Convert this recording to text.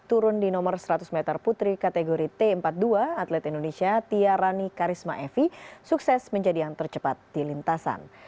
turun di nomor seratus meter putri kategori t empat puluh dua atlet indonesia tiarani karisma evi sukses menjadi yang tercepat di lintasan